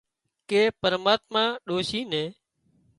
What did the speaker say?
ڪي پرماتما ڏوشي نين